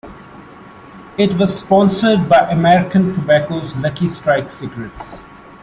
It was sponsored by American Tobacco's Lucky Strike cigarettes.